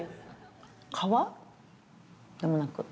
でもなく？